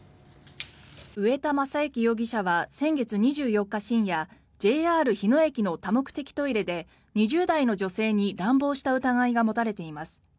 上田将之容疑者は先月２４日深夜ＪＲ日野駅の多目的トイレで２０代の女性に乱暴した疑いが持たれています。